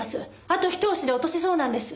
あとひと押しで落とせそうなんです。